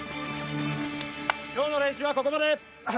今日の練習はここまで。